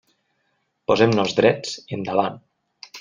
Posem-nos drets i endavant.